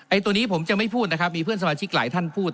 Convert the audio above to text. ตัวนี้ผมจะไม่พูดนะครับมีเพื่อนสมาชิกหลายท่านพูด